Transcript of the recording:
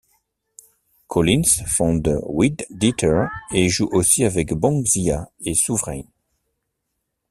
Collins fonde Weedeater et joue aussi avec Bongzilla et Sourvein.